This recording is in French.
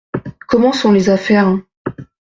Comment sont les affaires ?